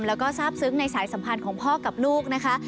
แล้วก็ทราบซึ้งในสายสัมพันธ์ของพ่อกับลูกนะคะ